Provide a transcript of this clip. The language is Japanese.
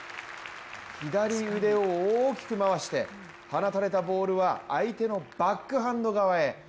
左腕を大きく回して放たれたボールは相手のバックハンド側へ。